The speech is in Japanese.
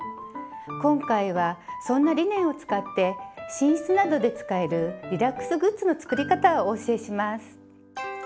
今回はそんなリネンを使って寝室などで使えるリラックスグッズの作り方をお教えします。